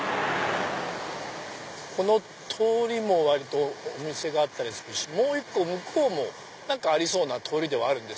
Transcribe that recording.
この通りも割とお店があったりするしもう１個向こうも何かありそうな通りではある。